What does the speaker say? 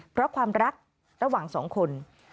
เพราะความรักระหว่างสองคน